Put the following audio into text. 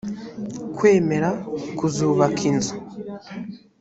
kwemera kuzubaka inzu